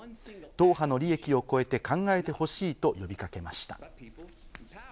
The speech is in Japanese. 党派の利益を超えて考えてほしいと呼びかけました。